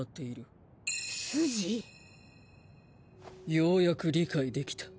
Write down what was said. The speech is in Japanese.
ようやく理解できた。